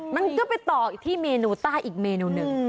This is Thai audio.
มันก็ไปต่ออีกที่เมนูใต้อีกเมนูหนึ่ง